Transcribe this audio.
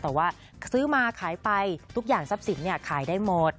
แต่ว่าซื้อมาขายไปทุกอย่างทรัพย์สินขายได้หมด